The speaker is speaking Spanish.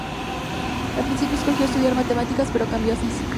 Al principio escogió estudiar matemáticas, pero cambió a física.